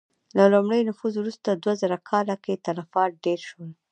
له لومړي نفوذ وروسته دوه زره کاله کې تلفات ډېر شول.